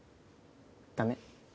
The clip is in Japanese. ダメ？